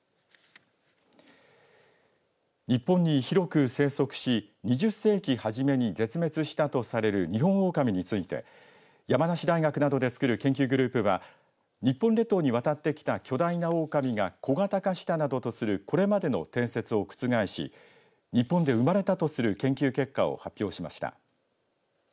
日本に広く生息し２０世紀初めに絶滅したとされるニホンオオカミについて山梨大学などで作る研究グループは日本列島に渡ってきた巨大なオオカミが小型化したなどとするこれまでの定説を覆し日本で生まれたとする研究結果を発表しました。